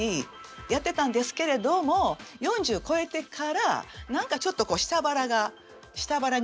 やってたんですけれども４０超えてから何かちょっと下腹が下腹に脂肪がのるとかね。